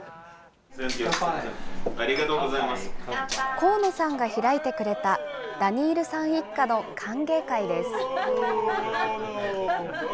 幸野さんが開いてくれたダニールさん一家の歓迎会です。